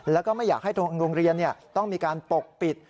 แล้วก็ไม่อยากให้ทางโรงเรียนต้องมีการปกปิด